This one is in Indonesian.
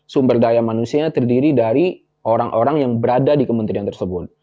sumber daya manusia terdiri dari orang orang yang berada di kementerian tersebut